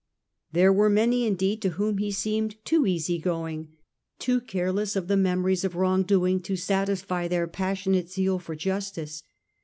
There were many indeed to whom he seemed toe easy going, too careless of the memories of wrong doing, to satisfy their passionate zeal for justice.